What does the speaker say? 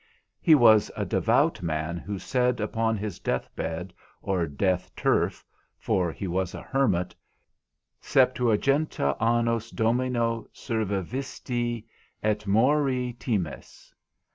He was a devout man who said upon his death bed, or death turf (for he was a hermit), _Septuaginta annos Domino servivisti, et mori times?